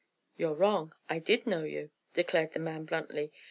"You're wrong; I did know you," declared the man bluntly.